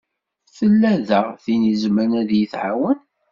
Tella da tin i izemren ad yi-tɛawen?